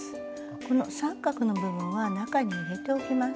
この三角の部分は中に入れておきます。